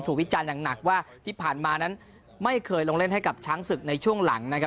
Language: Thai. วิจารณ์อย่างหนักว่าที่ผ่านมานั้นไม่เคยลงเล่นให้กับช้างศึกในช่วงหลังนะครับ